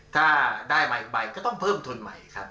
ถ้าได้มาอีกใบก็ต้องเพิ่มทุนใหม่ครับ